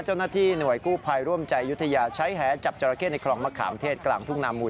เจ้าหน้าที่หน่วยกู้ภัยร่วมใจยุธยาใช้แหจับจราเข้ในคลองมะขามเทศกลางทุ่งนามูล